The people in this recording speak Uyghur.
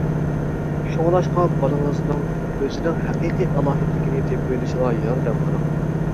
شۇڭلاشقا بالىڭىزنىڭ ئۆزىنىڭ ھەقىقىي ئالاھىدىلىكىنى تېپىۋېلىشىغا ياردەم قىلىڭ!